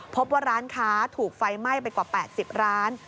พบว่าร้านค้าถูกไฟไหม้ไปกว่า๘๐ร้าน